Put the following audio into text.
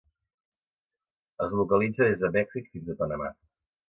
Es localitza des de Mèxic fins a Panamà.